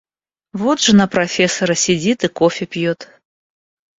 Вот жена профессора сидит и кофе пьет.